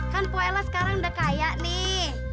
kan puela sekarang udah kaya nih